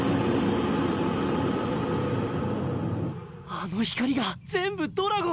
あの光が全部ドラゴン！